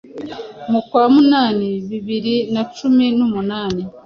mu kwa munani bibiri nacumi numunani